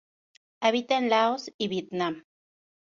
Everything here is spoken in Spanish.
Habita en Laos y Vietnam.